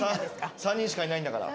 ３人しかいないんだから。